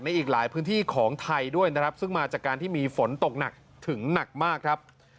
อีกหลายพื้นที่ของไทยด้วยนะครับซึ่งมาจากการที่มีฝนตกหนักถึงหนักมากครับ